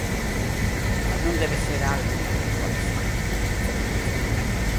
Non debe ser algo individualista.